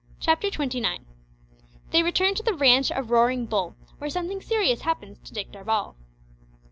CHAPTER TWENTY NINE. THEY RETURN TO THE RANCH OF ROARING BULL, WHERE SOMETHING SERIOUS HAPPENS TO DICK DARVALL.